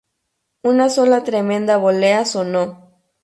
Una sola tremenda bolea sonó.